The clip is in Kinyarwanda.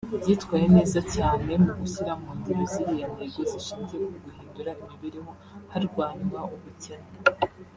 byitwaye neza cyane mu gushyira mu ngiro ziriya ntego zishingiye ku guhindura imibereho harwanywa ubukene